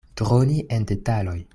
Droni en detaloj.